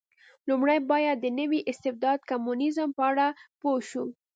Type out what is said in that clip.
لومړی باید د نوي استبداد کمونېزم په اړه پوه شو.